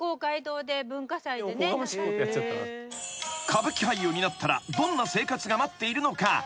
［歌舞伎俳優になったらどんな生活が待っているのか？］